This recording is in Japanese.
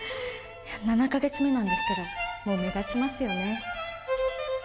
７か月目なんですけどもう目立ちますよね。